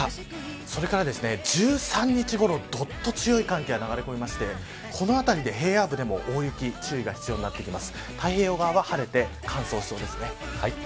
それから１３日ごろ、どっと強い寒気が流れ込んできてこのあたりで平野部でも大雪注意が必要になってきます。